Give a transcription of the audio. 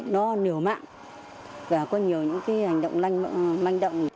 nó nửa mạng và có nhiều hành động manh động